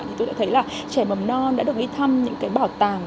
thì tôi đã thấy là trẻ mầm non đã được đi thăm những cái bảo tàng